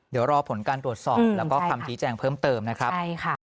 เดี๋ยวรอผลการตรวจสอบแล้วก็คำชี้แจงเพิ่มเติมนะครับใช่ค่ะ